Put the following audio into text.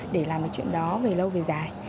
để làm cái chuyện đó về lâu về dài